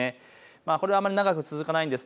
これはあまり長く続かないです。